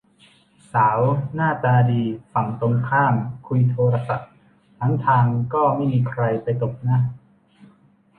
สาวหน้าตาดีฝั่งตรงข้ามคุยโทรศัพท์ทั้งทางก็ไม่มีใครไปตบนะ